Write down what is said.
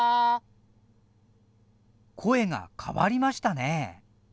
声が変わりましたね。